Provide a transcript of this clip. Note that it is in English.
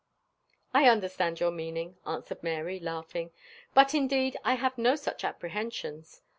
"I understand your meaning," answered Mary, laughing; "but, indeed, I have no such apprehensions.